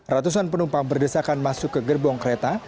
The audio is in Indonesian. ratusan penumpang berdesakan masuk ke gerbong kereta